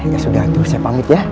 ya sudah saya pamit ya